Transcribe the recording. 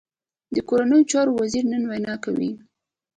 د کورنیو چارو وزیر نن وینا کوي